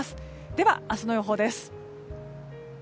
では明日の予報です。